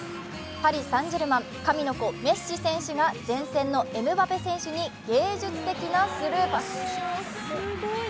パリ・サン＝ジェルマン、神の子・メッシ選手が前線のエムバペ選手に芸術的なスルーパス。